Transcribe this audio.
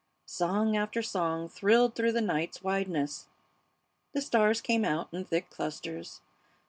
Song after song thrilled through the night's wideness. The stars came out in thick clusters.